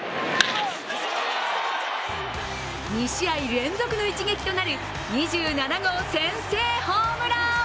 ２試合連続の一撃となる２７号先制ホームラン！